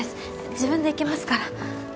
自分で行けますから。